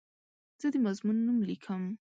زه د مضمون نوم لیکم.